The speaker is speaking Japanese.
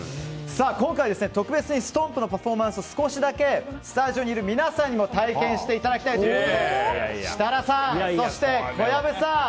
今回、特別にストンプのパフォーマンスを少しだけスタジオにいる皆さんにも体験していただきたいということで設楽さん、そして小籔さん！